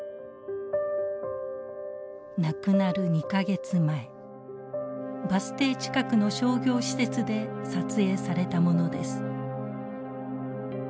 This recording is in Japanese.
亡くなる２か月前バス停近くの商業施設で撮影されたものです。